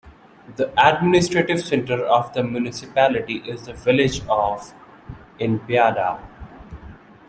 The administrative centre of the municipality is the village of Innbygda.